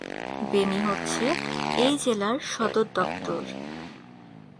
বেনি হচ্ছে এই জেলার সদরদপ্তর।